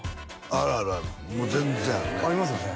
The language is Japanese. あるあるあるもう全然あるねありますよね